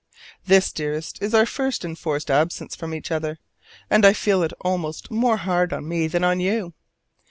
This, dearest, is our first enforced absence from each other; and I feel it almost more hard on me than on you.